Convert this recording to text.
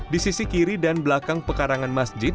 di sisi kiri dan belakang pekarangan masjid